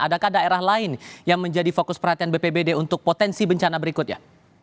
adakah daerah lain yang menjadi fokus perhatian bpbd untuk potensi bencana berikutnya